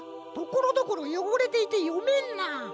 ところどころよごれていてよめんな。